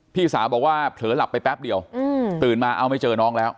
พี่สาวบอกว่าเผลอหลับไปแป๊บเดียวตื่นมาเอาไม่เจอน้องแล้ว